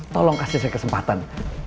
tolong kasih saya kesempatan